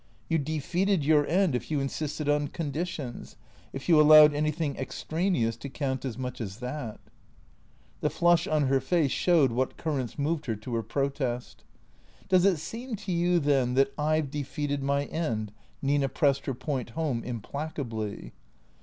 You defeated your end if you insisted on conditions, if you allowed anything extraneous to count as much as that. The flush on her face showed what currents moved her to her protest. " Does it seem to you, then, that 1 've defeated my end ?" Nina pressed her point home implacably.